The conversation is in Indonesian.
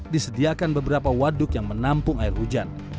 disediakan beberapa waduk yang menampung air hujan